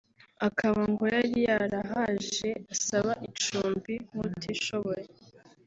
akaba ngo yari yarahaje asaba icumbi nk’utishoboye